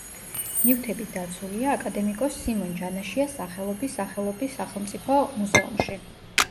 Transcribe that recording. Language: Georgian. ნივთები დაცულია აკადემიკოს სიმონ ჯანაშიას სახელობის სახელობის სახელმწიფო მუზეუმში.